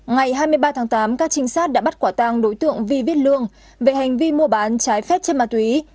ngày hai mươi ba tháng tám các trinh sát đã bắt quả tàng đối tượng vì viết lương về hành vi mua bán trái phép trên ma túy